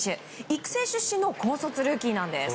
育成出身の高卒ルーキーなんです。